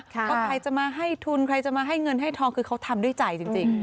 ถ้าใครจะมาให้ทุนใครจะมาให้เงินให้ทองคือเขาทำด้วยใจจริง